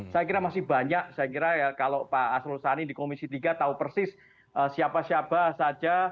saya kira masih banyak saya kira ya kalau pak asrul sani di komisi tiga tahu persis siapa siapa saja